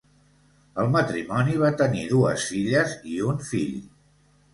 El matrimoni va tenir dues filles i un fill.